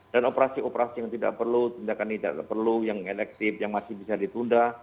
dan operasi operasi yang tidak perlu tindakan tidak perlu yang elektif yang masih bisa ditunda